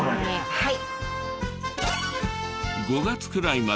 はい。